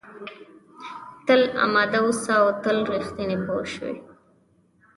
تل اماده اوسه او تل رښتینی پوه شوې!.